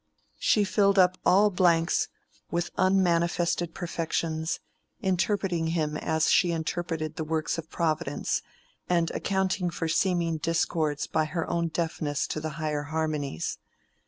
She filled up all blanks with unmanifested perfections, interpreting him as she interpreted the works of Providence, and accounting for seeming discords by her own deafness to the higher harmonies.